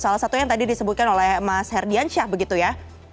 salah satu yang tadi disebutkan oleh mas herdiansyah begitu ya